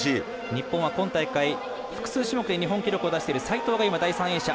日本は今大会複数種目で日本記録を出している齋藤が第３泳者。